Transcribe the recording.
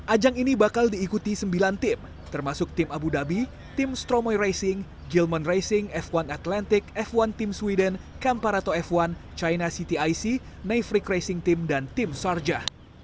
ajang ini bakal diikuti sembilan tim termasuk tim abu dhabi tim stromoy racing gilman racing f satu atlantic f satu tim sweden camparato f satu china ctic naverick racing team dan tim sarja